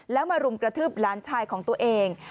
แล้วมารุมกระทืบหลานชายของตัวเอง